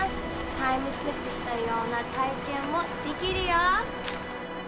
タイムスリップしたような体験もできるよ。